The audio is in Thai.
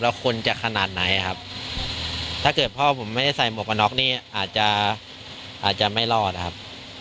แล้วคนจะขนาดไหนครับถ้าเกิดพ่อผมไม่ได้ใส่หมวกกันน็อกนี่อาจจะอาจจะไม่รอดครับ